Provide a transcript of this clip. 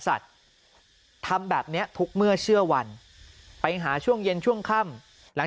สัตว์ทำแบบนี้ทุกเมื่อเชื่อวันไปหาช่วงเย็นช่วงค่ำหลัง